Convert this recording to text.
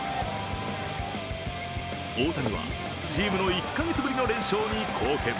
大谷はチームの１カ月ぶりの連勝に貢献。